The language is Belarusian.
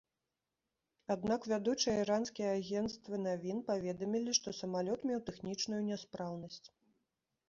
Аднак вядучыя іранскія агенцтвы навін паведамілі, што самалёт меў тэхнічную няспраўнасць.